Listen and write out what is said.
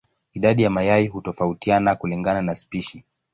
Idadi ya mayai hutofautiana kulingana na spishi.